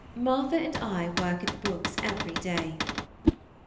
Martha and I work at the books every day.